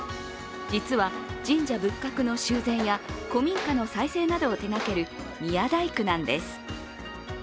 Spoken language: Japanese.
実は神社仏閣の修繕や古民家の再生などを手がける宮大工なんです。